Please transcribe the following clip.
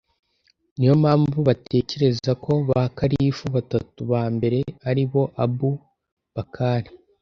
ni yo mpamvu batekereza ko ba kalifu batatu ba mbere, ari bo abū bakr